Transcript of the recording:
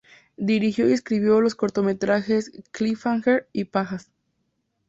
Dirigió y escribió los cortometrajes "Cliffhanger" y "Pajas".